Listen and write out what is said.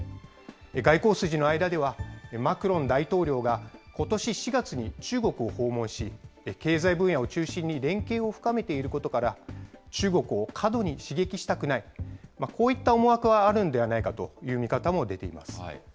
外交筋の間では、マクロン大統領がことし４月に中国を訪問し、経済分野を中心に連携を深めていることから、中国を過度に刺激したくない、こういった思惑があるんではないかという見方も出ています。